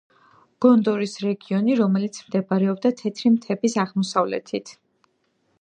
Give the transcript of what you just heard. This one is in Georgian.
გონდორის რეგიონი, რომელიც მდებარეობდა თეთრი მთების აღმოსავლეთით.